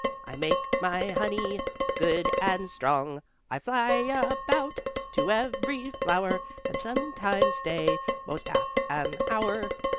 I make my honey Good and strong. I fly about To every flower And sometimes stay 'Most half an hour."